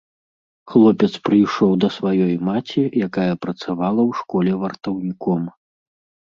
Хлопец прыйшоў да сваёй маці, якая працавала ў школе вартаўніком.